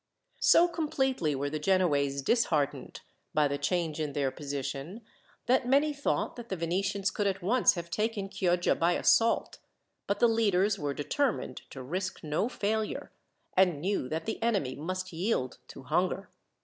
So completely were the Genoese disheartened, by the change in their position, that many thought that the Venetians could at once have taken Chioggia by assault; but the leaders were determined to risk no failure, and knew that the enemy must yield to hunger.